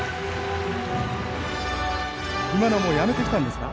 今のやめてきたんですか？